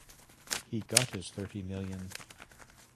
He got his thirty million.